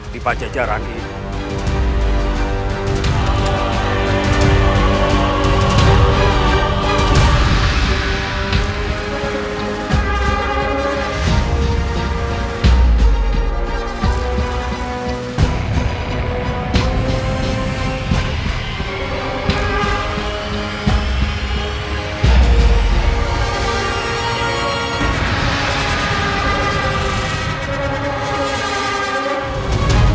di pancajaran ini